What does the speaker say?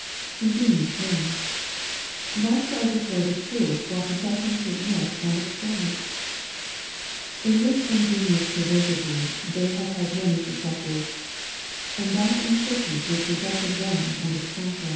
Ingenious men ! Thus to overthrow the truth, while professing to admit and explain it ! In this ingenious perversity they have had many successors, and that in churches which rejected Eome and its CouncU.